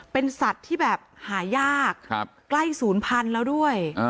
เป็นสัตว์ที่แบบหายากใกล้ศูนย์พันธุ์แล้วด้วย